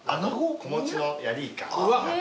子持ちのヤリイカ。